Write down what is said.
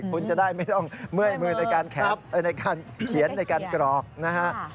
คุณจะได้ไม่ต้องเมื่อยมือในการเขียนในการกรอกนะครับ